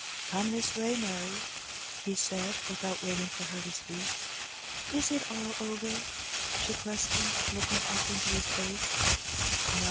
" Come this way, Mary," he said, without waiting for her to speak. '^Is it all over?" she questioned, looking up into his face.